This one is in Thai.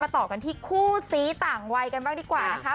ต่อกันที่คู่ซี้ต่างวัยกันบ้างดีกว่านะคะ